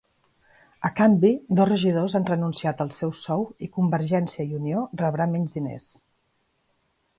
A canvi, dos regidors han renunciat al seu sou i Convergiència i Unió rebrà menys diners.